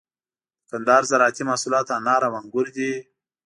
د کندهار زراعتي محصولات انار او انگور دي.